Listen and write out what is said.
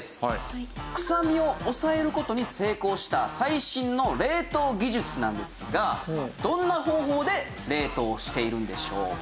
臭みを抑える事に成功した最新の冷凍技術なんですがどんな方法で冷凍をしているんでしょうか？